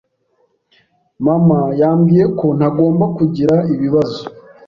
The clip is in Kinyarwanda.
Mama yambwiye ko ntagomba kugira ibibazo.